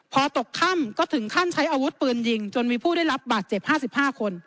พอตกค่ำก็ถึงขั้นใช้อาวุธปืนยิงจนมีผู้ได้รับบาดเจ็บ๕๕คน